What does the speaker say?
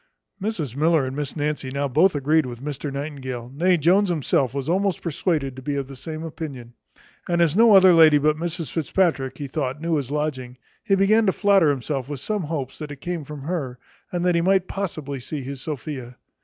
Mrs Miller and Miss Nancy now both agreed with Mr Nightingale; nay, Jones himself was almost persuaded to be of the same opinion. And as no other lady but Mrs Fitzpatrick, he thought, knew his lodging, he began to flatter himself with some hopes, that it came from her, and that he might possibly see his Sophia.